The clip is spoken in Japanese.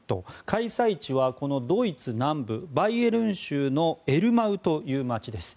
開催地はドイツ南部バイエルン州のエルマウという街です。